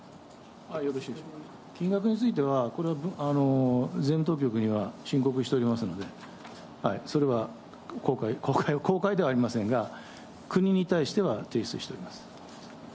金額については、これは税務当局には申告しておりますので、それは公開ではありませんが、国に対しては提出しております。